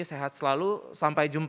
sehat selalu sampai jumpa